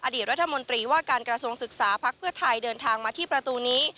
อดีตรัฐมนตรีว่าการกระทรวงศึกษาพักเพื่อไทยเดินทางมาที่ประตูนี้